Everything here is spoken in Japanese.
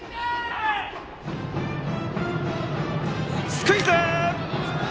スクイズ。